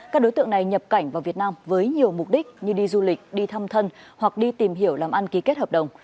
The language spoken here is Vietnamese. các đối tượng này nhập cảnh vào việt nam với nhiều mục đích như đi du lịch đi thăm thân hoặc đi tìm hiểu làm ăn ký kết hợp đồng